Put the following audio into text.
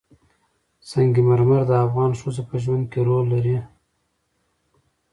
سنگ مرمر د افغان ښځو په ژوند کې رول لري.